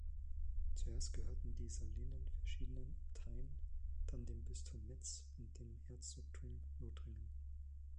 Zuerst gehörten die Salinen verschiedenen Abteien, dann dem Bistum Metz und dem Herzogtum Lothringen.